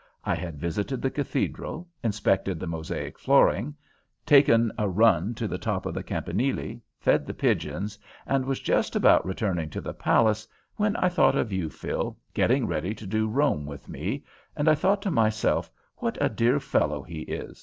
I had visited the cathedral, inspected the mosaic flooring, taken a run to the top of the campanile, fed the pigeons, and was just about returning to the palace, when I thought of you, Phil, getting ready to do Rome with me, and I thought to myself 'what a dear fellow he is!'